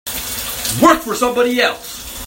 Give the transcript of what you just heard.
Work for somebody else.